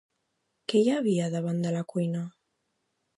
Què hi havia davant la cuina?